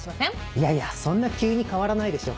いやいやそんな急に変わらないでしょ。